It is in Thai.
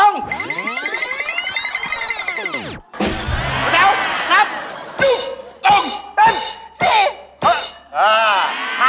ปึ้งสี่ห้อค่ะปึ้งห้อค่ะ